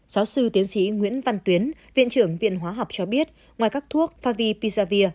giáo sư tiến sĩ nguyễn văn tuyến viện trưởng viện hóa học cho biết ngoài các thuốc favipizavir